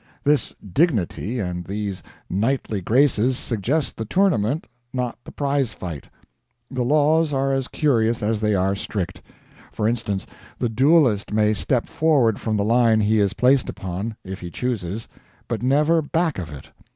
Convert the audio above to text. This dignity and these knightly graces suggest the tournament, not the prize fight. The laws are as curious as they are strict. For instance, the duelist may step forward from the line he is placed upon, if he chooses, but never back of it.